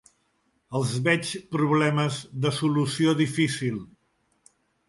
Els veig problemes de solució difícil.